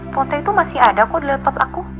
foto itu masih ada kok udah liat top aku